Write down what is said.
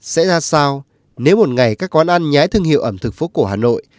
sẽ ra sao nếu một ngày các quán ăn nhái thương hiệu ẩm thực phố cổ hà nội